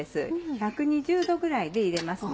１２０℃ぐらいで入れますね。